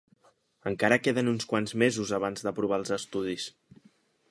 Encara queden uns quants mesos abans d'aprovar els estudis.